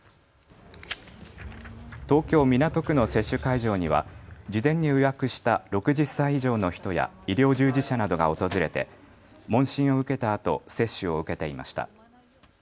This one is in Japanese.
東京港区の接種会場には事前に予約した６０歳以上の人や医療従事者などが訪れて問診を受けたあと接種を受けていました。